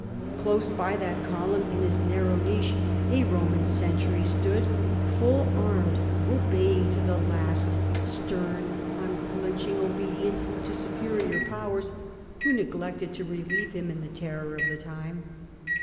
Close by that column, in his narrow niche, a Roman sentry stood, full armed; observing to the last, stern, unflinching obedience to superior powers, who neglected to relieve him in the terror of the time.